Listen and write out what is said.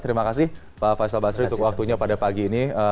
terima kasih pak faisal basri untuk waktunya pada pagi ini